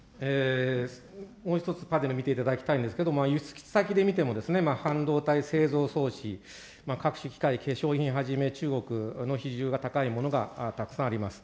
もう一つ、パネル見ていただきたいんですけれども、輸出先で見ても、半導体、製造装置、各種機械、化粧品はじめ、中国の比重が高いものがたくさんあります。